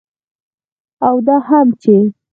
او دا هم چې